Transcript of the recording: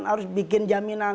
harus bikin jaminan